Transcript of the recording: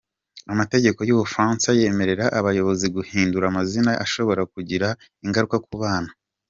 Amategeko y’u Bufaransa yemerera abayobozi guhindura amazina ashobora kugira ingaruka ku bana.